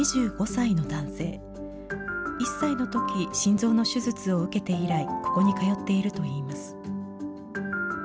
１歳のとき、心臓の手術を受けて以来、ここに通っているといいます。